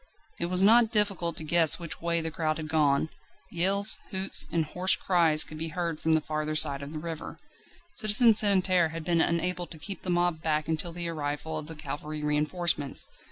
It was not difficult to guess which way the crowd had gone; yells, hoots, and hoarse cries could be heard from the farther side of the river. Citizen Santerne had been unable to keep the mob back until the arrival of the cavalry reinforcements.